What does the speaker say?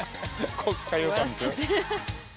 国家予算。